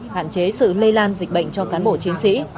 hạn chế sự lây lan dịch bệnh cho cán bộ chiến sĩ